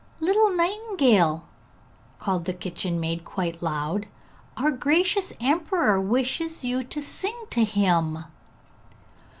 'Little nightingale!' called the kitchen maid quite loud, 'our gracious emperor wishes you to sing to him!'